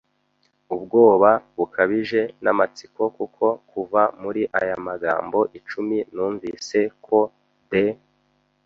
ubwoba bukabije n'amatsiko, kuko kuva muri aya magambo icumi numvise ko the